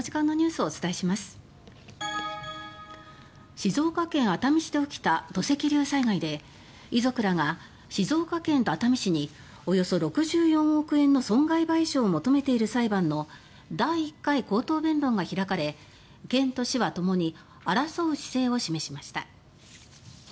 静岡県熱海市で起きた土石流災害で遺族らが、静岡県と熱海市におよそ６４億円の損害賠償を求めている裁判の第１回口頭弁論が開かれ県と市はともに争う姿勢を示しました。